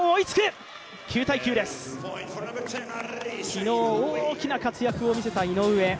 昨日大きな活躍を見せた井上。